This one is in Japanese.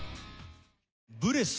「ブレス」。